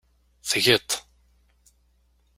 Tgiḍ-t.